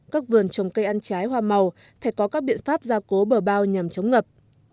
các vườn trồng cây ăn trái hoa màu phải có các biện pháp gia cố bờ bao nhằm chống ngập